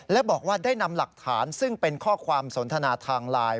และบอกว่าได้นำหลักฐานซึ่งเป็นข้อความสนทนาทางไลน์